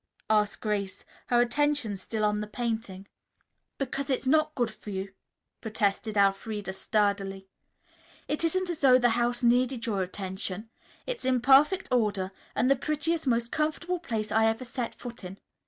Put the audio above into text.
asked Grace, her attention still on the painting. "Because it's not good for you," protested Elfreda sturdily. "It isn't as though the house needed your attention. It's in perfect order and the prettiest, most comfortable place I ever set foot in.